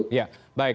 oke ya baik